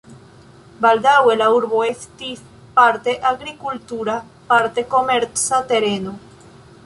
Baldaŭe la urbo estis parte agrikultura, parte komerca tereno.